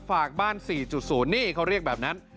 ฝากบ้าน๔๐นี่เขาเรียกแบบนั้น